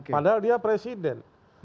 padahal dia presiden